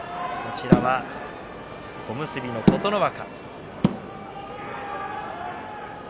小結の琴ノ若。